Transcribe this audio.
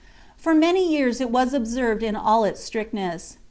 For many years it was observed in all its strictness.